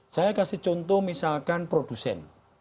saya kasih contoh misalkan produsen